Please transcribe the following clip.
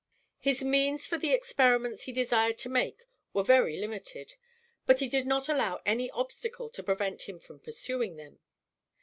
His means for the experiments he desired to make were very limited, but he did not allow any obstacle to prevent him from pursuing them.